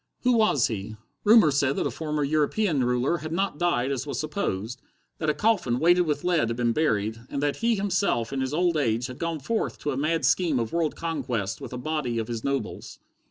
Who was he? Rumor said that a former European ruler had not died as was supposed: that a coffin weighted with lead had been buried, and that he himself in his old age, had gone forth to a mad scheme of world conquest with a body of his nobles.